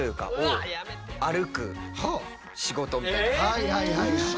はいはいはいはい。